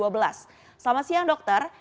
selamat siang dokter